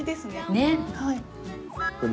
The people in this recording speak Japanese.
ねっ！